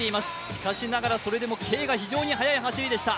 しかしながら、それでもＫが非常に速い走りでした。